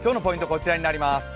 こちらになります。